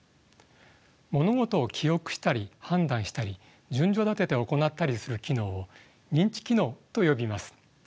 物事を記憶したり判断したり順序立てて行ったりする機能を認知機能と呼びます。